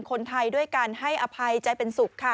คนไทยด้วยกันให้อภัยใจเป็นสุขค่ะ